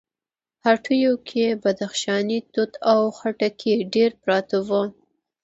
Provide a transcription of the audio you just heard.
هټيو کې بدخشانی توت او خټکي ډېر پراته وو.